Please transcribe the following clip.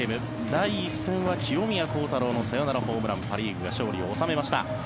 第１戦は清宮幸太郎のサヨナラホームランパ・リーグが勝利を収めました。